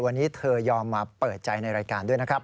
วันนี้เธอยอมมาเปิดใจในรายการด้วยนะครับ